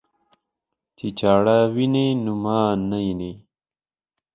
چې چاړه ويني نو ما نه ويني.